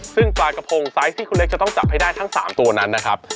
ซึ่งปลากระพงไซส์ที่คุณเล็กจะต้องจับให้ได้ทั้ง๓ตัวนั้นนะครับ